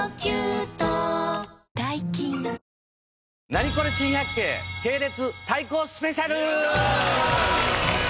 『ナニコレ珍百景』系列対抗スペシャル！